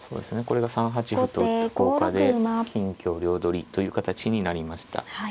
これが３八歩と打った効果で金香両取りという形になりました。